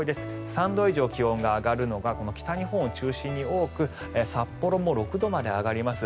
３度以上気温が上がるのが北日本を中心に多く札幌も６度まで上がります。